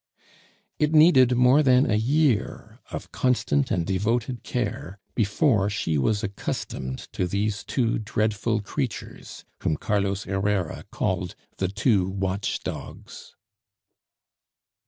It needed more than a year of constant and devoted care before she was accustomed to these two dreadful creatures whom Carlos Herrera called the two watch dogs.